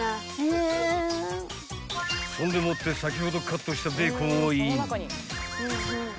［そんでもって先ほどカットしたベーコンをイン］